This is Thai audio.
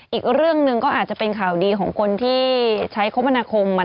อีกเรื่องหนึ่งก็อาจจะเป็นข่าวดีของคนที่ใช้คมนาคม